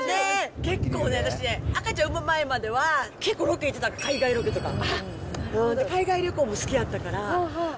結構ね、私ね、赤ちゃん産む前までは、結構ロケ行ってた、海外ロケとか。海外旅行も好きやったから。